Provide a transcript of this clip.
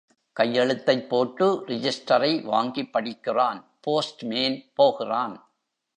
கையெழுத்தைப் போட்டு ரிஜிஸ்ட்டரை வாங்கிப் படிக்கிறான், போஸ்ட்மேன் போகிறான்.